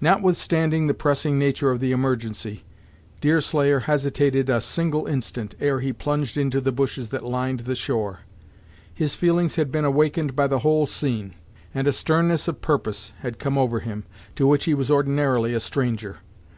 Notwithstanding the pressing nature of the emergency, Deerslayer hesitated a single instant, ere he plunged into the bushes that lined the shore. His feelings had been awakened by the whole scene, and a sternness of purpose had come over him, to which he was ordinarily a stranger.